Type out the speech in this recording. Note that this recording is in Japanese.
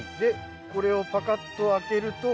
これをパカっと開けると。